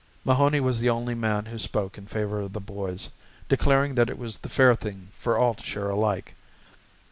Mahoney was the only man who spoke in favour of the boys, declaring that it was the fair thing for all to share alike.